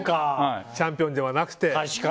チャンピオンではなくて。